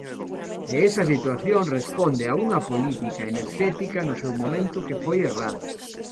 E esa situación responde a unha política enerxética no seu momento que foi errada.